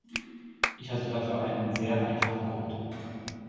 Ich hatte dafür einen sehr einfachen Grund.